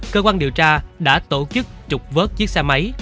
cơ quan điều tra đã tổ chức trục vớt chiếc xe máy